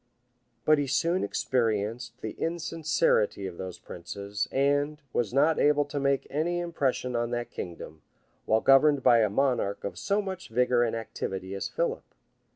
[] But he soon experienced the insincerity of those princes; and; was not able to make any impression on that kingdom, while governed by a monarch of so much vigor and activity as Philip.